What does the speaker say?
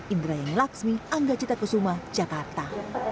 indra yeng laksmi angga cita kusuma jakarta